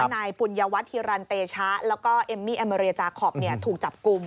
นายปุญญวัตรฮิรันเตชะแล้วก็เอมมี่แอมเรียจาคอปถูกจับกลุ่ม